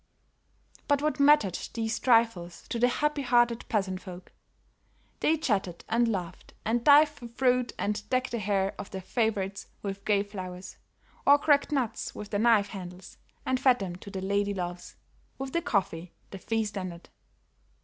But what mattered these trifles to the happy hearted peasant folk. They chatted and laughed and dived for fruit and decked the hair of their favorites with gay flowers, or cracked nuts with their knife handles and fed them to their lady loves. With the coffee, the feast ended.